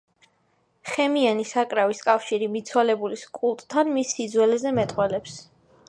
ხემიანი საკრავის კავშირი მიცვალებულის კულტთან მის სიძველეზე მეტყველებს.